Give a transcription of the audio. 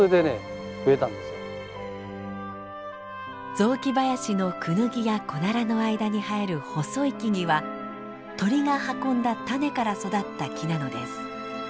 雑木林のクヌギやコナラの間に生える細い木々は鳥が運んだ種から育った木なのです。